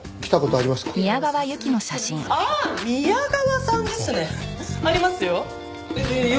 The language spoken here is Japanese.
ありますよ。